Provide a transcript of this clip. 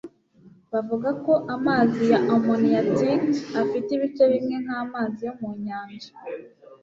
bavuga ko amazi ya amniotic afite ibice bimwe nkamazi yo mu nyanja